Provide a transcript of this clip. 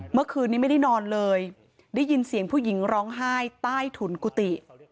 เมื่อคืนนี้ไม่ได้นอนเลยได้ยินเสียงผู้หญิงร้องไห้ใต้ถุนกุฏิ